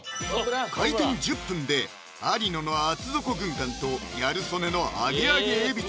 開店１０分で有野の厚底軍艦とギャル曽根の揚げ揚げえび